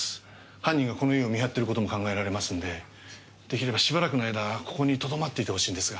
犯人がこの家を見張ってる事も考えられますんで出来ればしばらくの間ここにとどまっていてほしいんですが。